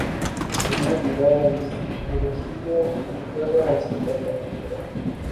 Es duro mirar a la Desconocida a la cara, hace falta mucho coraje.